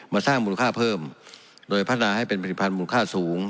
สร้างมูลค่าเพิ่มโดยพัฒนาให้เป็นผลิตภัณฑ์มูลค่าสูง